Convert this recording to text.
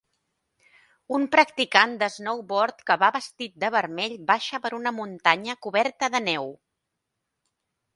un practicant de snowboard que va vestit de vermell baixa per una muntanya coberta de neu.